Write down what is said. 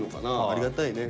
ありがたいね。